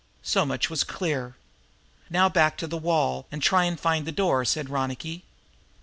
So much was clear. "Now back to the wall and try to find that door," said Ronicky.